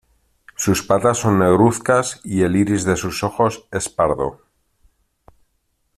Sus patas son negruzcas y el iris de sus ojos es pardo.